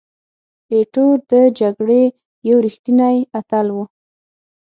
ایټور د جګړې یو ریښتینی اتل وو.